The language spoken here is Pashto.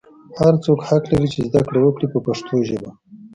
هر څوک حق لري چې زده کړه وکړي په پښتو ژبه.